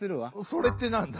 「それ」ってなんだ？